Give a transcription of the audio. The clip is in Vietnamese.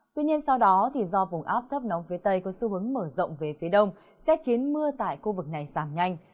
tuy nhiên sau đó do vùng áp thấp nóng phía tây có xu hướng mở rộng về phía đông sẽ khiến mưa tại khu vực này giảm nhanh